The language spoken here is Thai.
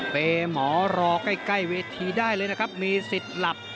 หมอรอใกล้เวทีได้เลยนะครับมีสิทธิ์หลับ